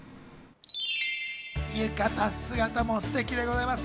浴衣姿もすてきでございます。